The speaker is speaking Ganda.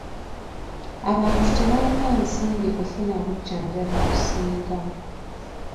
Abantu tebalina nsimbi kufuna bujjanjabi businga.